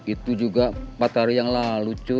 itu juga empat hari yang lalu